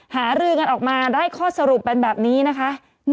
หารือกันออกมาได้ข้อสรุปเป็นแบบนี้นะคะ